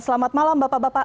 selamat malam bapak bapak